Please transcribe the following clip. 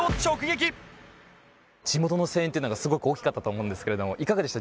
地元の声援っていうのがすごく大きかったと思うんですけれどもいかがでした？